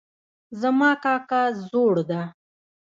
زما کاکا زوړ ده